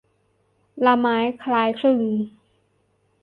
ละม้ายคล้ายคลึง